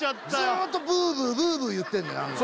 ずーっとブーブーブーブーいってんのよ